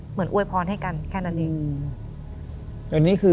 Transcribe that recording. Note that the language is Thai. เหมือนอวยพรให้กันแค่นั้นเอง